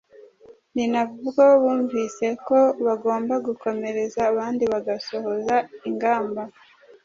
Ni nabwo bumvise ko bagomba gukomereza ahandi bagasohoza ingamba